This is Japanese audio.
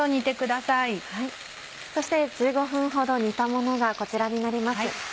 そして１５分ほど煮たものがこちらになります。